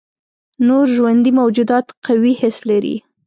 نور ژوندي موجودات قوي حس لري.